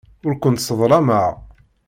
Ur kent-sseḍlameɣ.